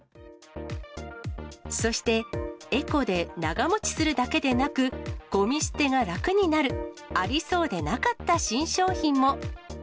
そして、エコで長もちするだけでなく、ごみ捨てが楽になる、ありそうでなかった新商品も。